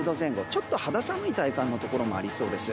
ちょっと肌寒い体感のところもありそうです。